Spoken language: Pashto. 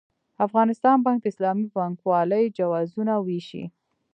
افغانستان بانک د اسلامي بانکوالۍ جوازونه وېشي.